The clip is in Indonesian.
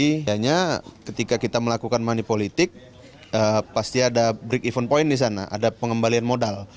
hanya ketika kita melakukan money politik pasti ada break even point di sana ada pengembalian modal